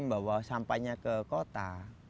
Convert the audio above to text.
membawa sampahnya ke kota